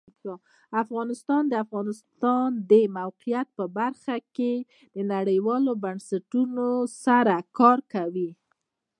افغانستان د د افغانستان د موقعیت په برخه کې نړیوالو بنسټونو سره کار کوي.